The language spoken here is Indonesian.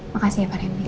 makasih ya pak rendy